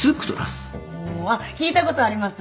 あっ聞いた事あります。